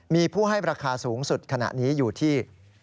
มีผู้ให้ราคาสูงสุดขณะนี้อยู่ที่